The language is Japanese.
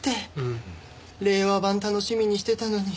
令和版楽しみにしてたのに。